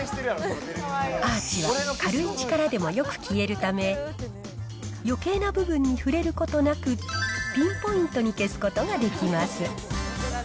アーチは軽い力でもよく消えるため、よけいな部分に触れることなく、ピンポイントに消すことができます。